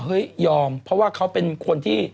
ยอมเพราะว่าเขาเป็นคนที่